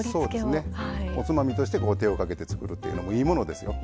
おつまみとして手をかけてつくるというのもいいものですよ。